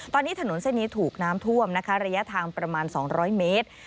ตอนนี้ถนนเส้นนี้ถูกน้ำท่วมนะคะระยะทางประมาณ๒๐๐เมตร